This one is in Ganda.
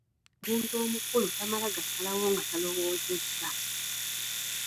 Omuntu omukulu tamala gasalawo nga talowoozezza.